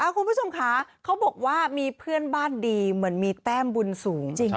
คุณผู้ชมคะเขาบอกว่ามีเพื่อนบ้านดีเหมือนมีแต้มบุญสูง